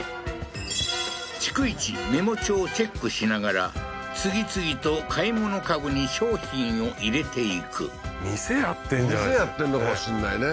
逐一メモ帳をチェックしながら次々と買い物カゴに商品を入れていく店やってんじゃ店やってんのかもしんないね